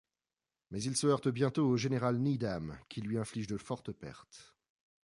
Mais il se heurte bientôt au général Needham, qui lui inflige de fortes pertes.